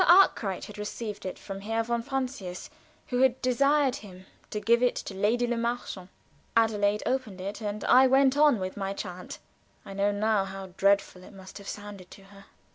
Arkwright had received it from Herr von Francius, who had desired him to give it to Lady Le Marchant. Adelaide opened it and I went on with my chant. I know now how dreadful it must have sounded to her.